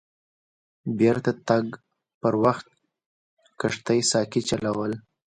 د بیرته تګ پر وخت کښتۍ ساقي چلول.